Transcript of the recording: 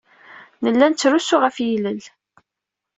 Nella nettrusu ɣef yilel.